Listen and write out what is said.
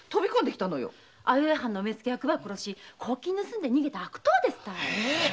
相生藩の目付役ば殺し公金盗んで逃げた悪党ですたい。